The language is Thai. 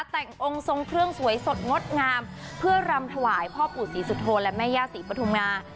แต่งองค์ทรงเครื่องสวยสดงดงามเพื่อรำถวายพ่อปู่ศรีสุโธและแม่ย่าศรีปฐุมงา